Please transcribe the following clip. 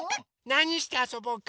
なにしてあそぼうか？